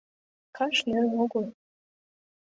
Каш нӧрӧ огыл.